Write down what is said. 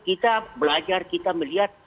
kita belajar kita melihat